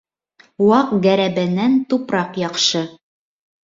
Ваҡ гәрәбәнән тупраҡ яҡшы.